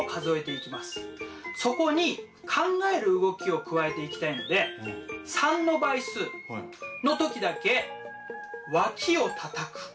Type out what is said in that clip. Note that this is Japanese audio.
そこに考える動きを加えていきたいので３の倍数の時だけわきをたたく。